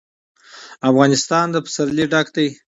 افغانستان له پسرلی ډک دی.